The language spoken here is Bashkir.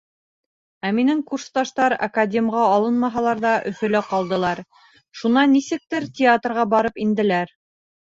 Ә минең курсташтар академға алынмаһалар ҙа Өфөлә ҡалдылар, шунан нисектер театрға барып инделәр.